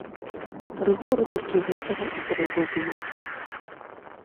Рыгору толькі гэтага і трэба было.